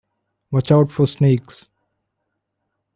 Watch Out for Snakes!